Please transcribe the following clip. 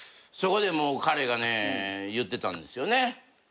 そこで彼がね言ってたんですよね。